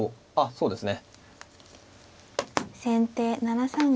そうですね。